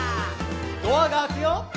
「ドアが開くよ」